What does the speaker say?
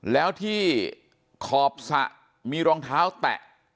แล้วที่ขอบสระมีรองเท้าแตะ